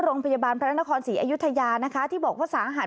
โรงพยาบาลพระนครศรีอยุธยานะคะที่บอกว่าสาหัส